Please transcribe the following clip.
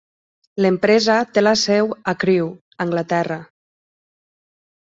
L'empresa té la seu a Crewe, Anglaterra.